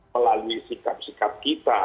melalui sikap sikap kita